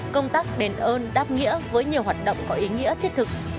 công tác đền ơn đáp nghĩa với nhiều hoạt động có ý nghĩa thiết thực